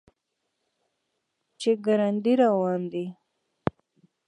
چې ګړندی روان دی.